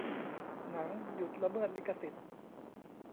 หนัง หยุดละเมิดลิขสิทธิ์